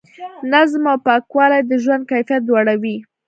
نظم او پاکوالی د ژوند کیفیت لوړوي.